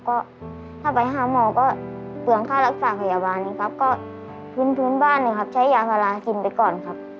ก็ถ้าไปหาหมอก็เปลืองค่ารักษาพยาบาลครับก็พื้นบ้านนะครับใช้ยาพารากินไปก่อนครับ